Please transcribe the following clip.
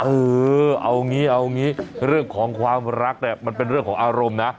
เออเอางี้เอางี้เรื่องของความรักเนี่ยมันเป็นเรื่องของอารมณ์นะ